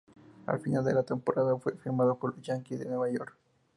Al final de la temporada, fue firmado por los Yanquis de Nueva York.